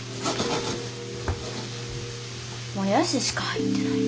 もやししか入ってない。